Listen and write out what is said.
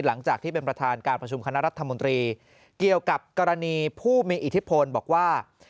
หลังจากที่เป็นประธานการประชุมคณะรัฐมนตรีเกี่ยวกับกรณีผู้มีอิทธิพลบอกว่า